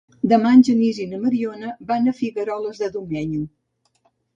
Demà en Genís i na Mariona van a Figueroles de Domenyo.